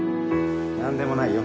なんでもないよ